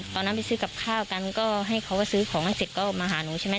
ตอนนั้นไปซื้อกับข้าวกันก็ให้เขาซื้อของให้เสร็จก็มาหาหนูใช่ไหม